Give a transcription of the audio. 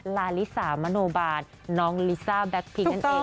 ลาริส๊ามณบารน้องลิซ่าแบ็กพลิงนั่นเองนะคะ